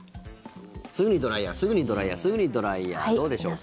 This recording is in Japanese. すぐにドライヤーすぐにドライヤーすぐにドライヤーどうでしょうか。